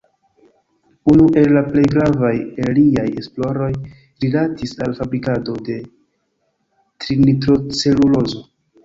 Unu el la plej gravaj el liaj esploroj rilatis al la fabrikado de "trinitrocelulozo".